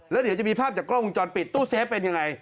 แล้วเดี๋ยวจะมีภาพจากกล้องวงจรปิดตู้เซฟเป็นยังไง